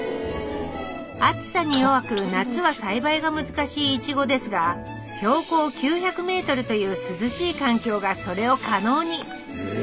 暑さに弱く夏は栽培が難しいイチゴですが標高９００ｍという涼しい環境がそれを可能に。